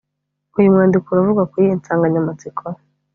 uyu mwandiko uravuga ku yihe nsanganyamatsiko?